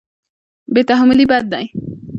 بې تحملي بد دی.